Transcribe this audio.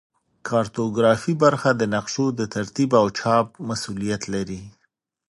کارتوګرافي برخه د نقشو د ترتیب او چاپ مسوولیت لري